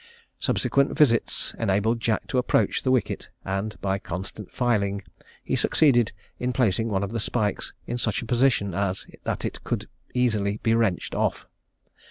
Subsequent visits enabled Jack to approach the wicket; and by constant filing he succeeded in placing one of the spikes in such a position as that it could be easily wrenched off.